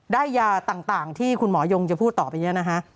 ยาต่างที่คุณหมอยงจะพูดต่อไปนี้นะฮะ